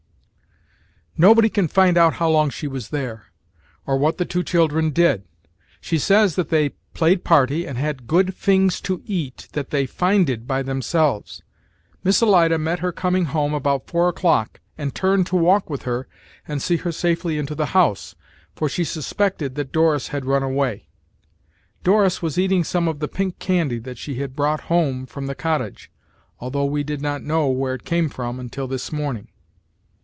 "Nobody can find out how long she was there, or what the two children did. She says that they played party and had 'good fings' to eat that they 'finded' by themselves. Miss Alida met her coming home about four o'clock, and turned to walk with her and see her safely into the house, for she suspected that Doris had run away. Doris was eating some of the pink candy that she had brought home from the cottage, although we did not know where it came from until this morning.